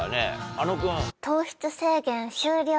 あの君。